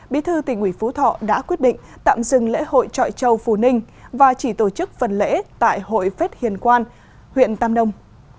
bí thư tỉnh ủy phú thọ đã quyết định tạm dừng lễ hội trọi châu phù ninh và chỉ tổ chức phần lễ tại hội phết hiền quan huyện tam nông